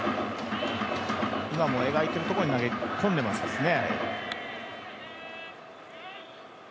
今も描いているところに投げ込んでいますしね。